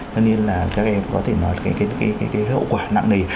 nên là các em có thể nói cái hậu quả nặng này